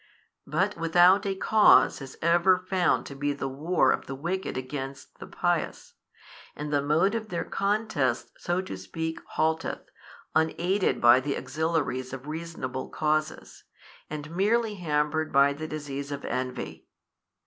But without a cause is ever found to be the war of the wicked against the pious, and the mode of their contest so to speak halteth, unaided by the auxiliaries of reasonable causes, and merely hampered by the disease of envy.